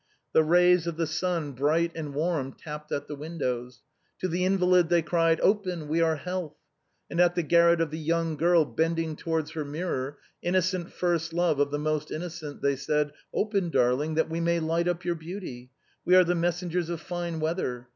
The rays of the sun, bright and warm, tapped at the windows. To the invalid they cried, " Open, we are health ;" and at the garret of the young girl bending to wards her mirror, innocent first love of the most innocent, they said, " Open, darling, that we may light up your beauty. We are the messengers of fine weather.